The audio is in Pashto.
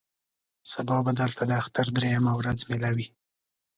سبا به دلته د اختر درېیمه ورځ مېله وي.